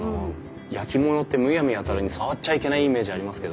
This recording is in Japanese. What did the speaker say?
焼き物ってむやみやたらに触っちゃいけないイメージありますけど。